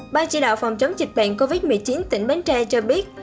ban chỉ đạo phòng chống dịch bệnh covid một mươi chín tỉnh bến tre cho biết